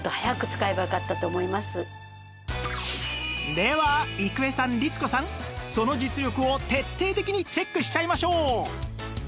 では郁恵さん律子さんその実力を徹底的にチェックしちゃいましょう！